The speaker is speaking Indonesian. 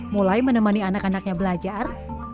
mulai menemani anak anaknya belajar